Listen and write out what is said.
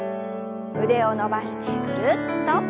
腕を伸ばしてぐるっと。